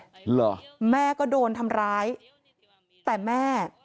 เหรอแม่ก็โดนทำร้ายแต่แม่